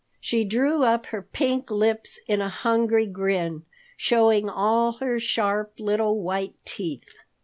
She drew up her pink lips in a hungry grin, showing all her sharp little white teeth.